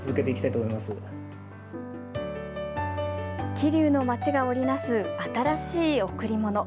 桐生の街が織り成す新しい贈り物。